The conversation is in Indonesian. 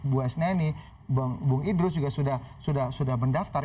bu esneni bu idrus juga sudah mendaftar